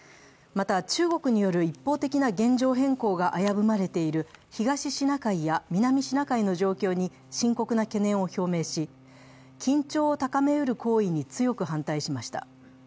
また、中国による一方的な現状変更が危ぶまれている東シナ海や南シナ海の状況に深刻な懸念を表明し緊張を高めうる行為に強く反対しました。